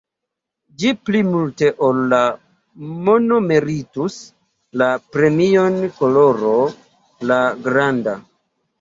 Ĝi pli multe ol la mono meritus la premion Karolo la Granda.